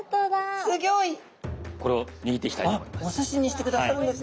これを握っていきたいと思います。